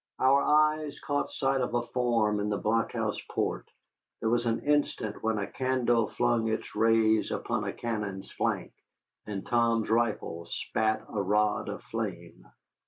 Our eyes caught sight of a form in the blockhouse port, there was an instant when a candle flung its rays upon a cannon's flank, and Tom's rifle spat a rod of flame.